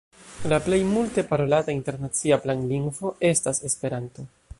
La plej multe parolata internacia planlingvo estas Esperanto.